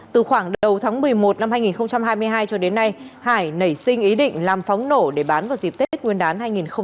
từ khoảng đầu tháng một mươi một năm hai nghìn hai mươi hai cho đến nay hải nảy sinh ý định làm phóng nổ để bán vào dịp tết nguyên đán hai nghìn hai mươi bốn